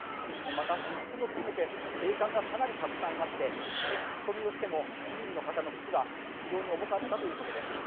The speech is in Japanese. また私服も含めて警官がかなりたくさんいまして聞き込みをしても市民の方の口は非常に重かったということです。